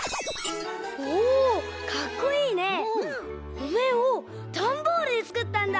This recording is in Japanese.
おめんをダンボールでつくったんだ！